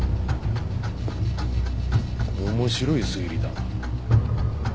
面白い推理だな。